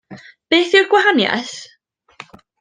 Beth yw'r gwahaniaeth?